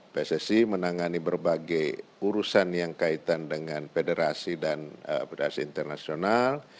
pssi menangani berbagai urusan yang kaitan dengan federasi dan federasi internasional